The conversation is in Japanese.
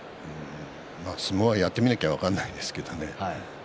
相撲はやってみなきゃ分からないですけどね。